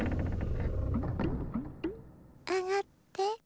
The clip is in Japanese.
あがって。